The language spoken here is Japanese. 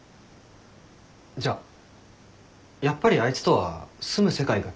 じゃあやっぱりあいつとは住む世界が違うってことだな。